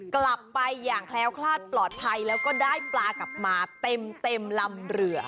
กลับไปอย่างแคล้วคลาดปลอดภัยแล้วก็ได้ปลากลับมาเต็มลำเรือ